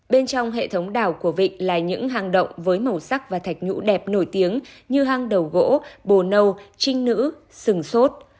bên trong hệ thống đảo của vịnh là những hang động với màu sắc và thạch nhũ đẹp nổi tiếng như hang đầu gỗ bồ nâu trinh nữ sừng sốt